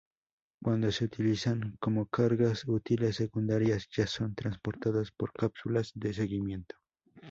Cuando se utilizan como cargas útiles secundarias, ya son transportados por cápsulas de seguimiento.